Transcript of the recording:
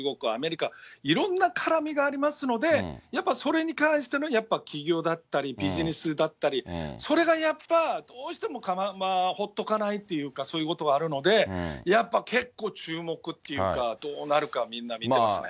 特に最近はやっぱり韓国のいろんなエンタメも含めて、日韓関係とか中国、アメリカ、いろんな絡みがありますので、やっぱそれに関してのやっぱ企業だったリビジネスだったり、それがやっぱどうしてもほっとかないというか、そういうことはあるので、やっぱ結構注目っていうか、どうなるか、みんな見てますね。